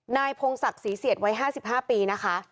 นายพงศักดิ์ศรีเสียดวัย๕๕ปีนะคะ